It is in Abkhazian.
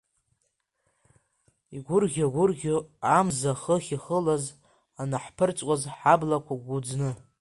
Игәырӷьа гәырӷьо амза, хыхь ихылаз анаҳԥырҵуаз ҳаблақәа гәыӡны.